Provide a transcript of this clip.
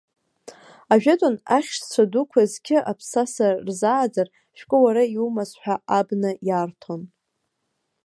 Ажәытәан, ахьшьцәа дуқәа зқьы аԥсаса рзааӡар, шәкы уара иумаз ҳәа абна иарҭон.